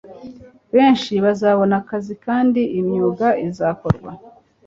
benshi bazabona akazi kandi imyuga izakorwa